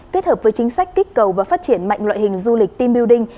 kết hợp với chính sách kích cầu và phát triển mạnh loại hình du lịch team building